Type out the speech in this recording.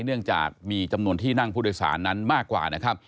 เนื่องจากมีจำนวนที่นั่งผู้โดยสารนั้นมากกว่านะครับ